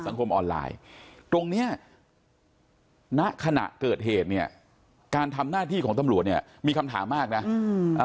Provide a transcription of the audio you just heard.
ในขณะเกิดเหตุเนี่ยทำหน้าที่ของตำรวจเนี่ยมีคำถามมากนะ